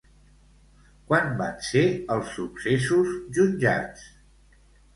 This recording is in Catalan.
Quan van ser els successos jutjats?